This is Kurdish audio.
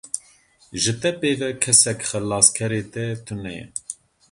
Ji te pê ve kesek xelaskerê te tune ye.